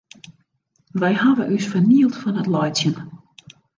Wy hawwe ús fernield fan it laitsjen.